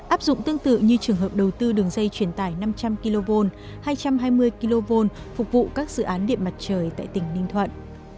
áp dụng tương tự như trường hợp đầu tư đường dây chuyển tải năm trăm linh kv hai trăm hai mươi kv phục vụ các dự án điện mặt trời tại tỉnh ninh thuận